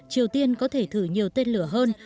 triều tiên có thể thử nhiều tên lửa hơn